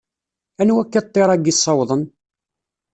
Anwa akka ṭṭir-agi ssawḍen?